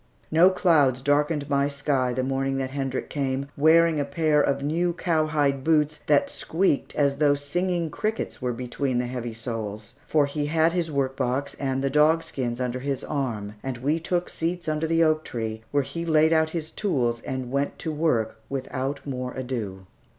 No clouds darkened my sky the morning that Hendrik came, wearing a pair of new cowhide boots then squeaked as though singing crickets were between the heavy soles; for he had his workbox and the dogskins under his arm, and we took seats under the oak tree, where he laid out his tools and went to work without more ado.